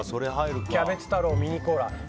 キャベツ太郎、ミニコーラ。